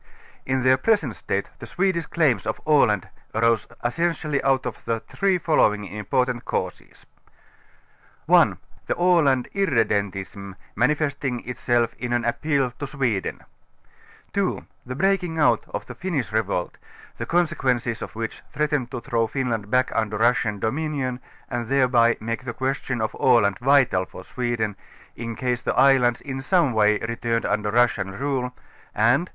Tn their present State the Swedish claims of Aland arose essentially out of the three following im])f)rtant cau ses: 1. The A├«and irredentism, manifesting itself in an ap j)cal to Sweden; 2. Tire breaking out of the Finnish revolt, the conse quences of which threatened to throAv Finland back under Russian dominion and thereby make the question of Aland vital for Sweden, in case the islands in some wa>' returned under Russian rule; and 3.